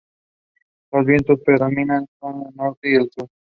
Los vientos predominantes son del norte y el sur.